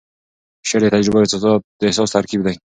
شعر د تجربو او احساس ترکیب دی.